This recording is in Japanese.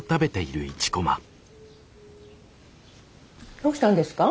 どうしたんですか？